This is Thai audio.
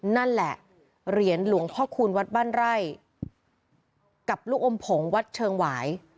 นั่นแหละเหรียญหลวงพ่อคูณวัดบ้านไร่กับลูกอมผงวัดเชิงหวาย